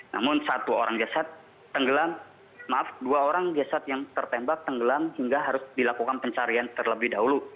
namun satu orang jasad tenggelam maaf dua orang jasad yang tertembak tenggelam hingga harus dilakukan pencarian terlebih dahulu